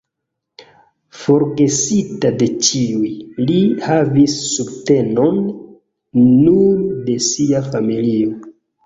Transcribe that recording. Forgesita de ĉiuj, li havis subtenon nur de sia familio.